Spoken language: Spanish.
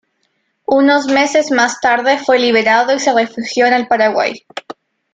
Unos meses más tarde fue liberado y se refugió en el Paraguay.